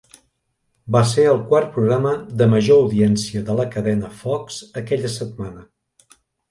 Va ser el quart programa de major audiència de la cadena Fox aquella setmana.